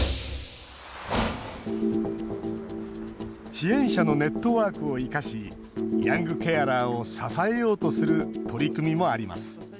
支援者のネットワークを生かしヤングケアラーを支えようとする取り組みもあります。